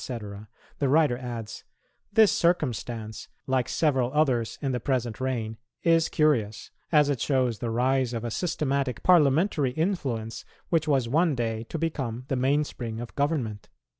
[197:1] The writer adds, "This circumstance, like several others in the present reign, is curious, as it shows the rise of a systematic parliamentary influence, which was one day to become the mainspring of government."